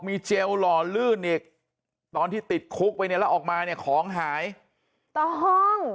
มีเจลหล่อลื่นอีกตอนที่ติดคุกไปเนี่ยแล้วออกมาเนี่ยของหายต่อห้อง